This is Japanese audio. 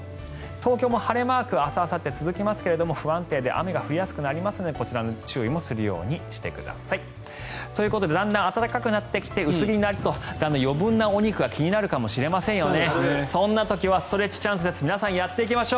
東京も晴れマーク、明日あさって続きますが不安定で雨が降りやすくなりますのでこちらも注意するようにしてください。ということでだんだん暖かくなってきて薄着になると、だんだん余分なお肉が気になるかもしれませんよね。